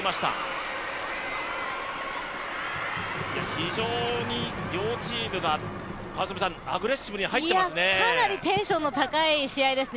非常に両チームがアグレッシブに入ってますね。